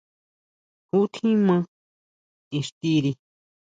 Jú tjín maa ixtiri.